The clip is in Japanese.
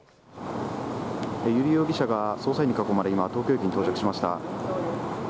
油利容疑者が捜査員に囲まれ東京駅に到着しました。